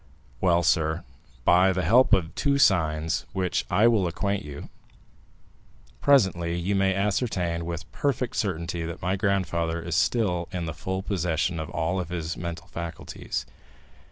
"Well, sir, by the help of two signs, with which I will acquaint you presently, you may ascertain with perfect certainty that my grandfather is still in the full possession of all his mental faculties.